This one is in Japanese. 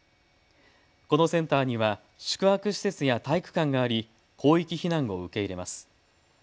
このセンターには宿泊施設や体育館があり広域避難を受け入れます。